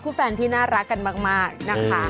แฟนที่น่ารักกันมากนะคะ